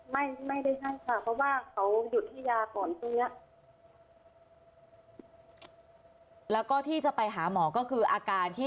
ไม่ไม่ได้ให้ค่ะเพราะว่า